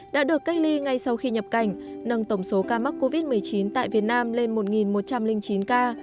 đã được cách ly ngay sau khi nhập cảnh nâng tổng số ca mắc covid một mươi chín tại việt nam lên một một trăm linh chín ca